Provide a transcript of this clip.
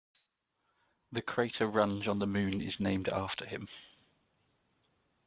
The crater Runge on the Moon is named after him.